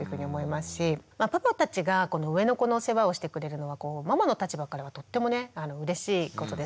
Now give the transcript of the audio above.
パパたちが上の子の世話をしてくれるのはママの立場からはとってもねうれしいことです。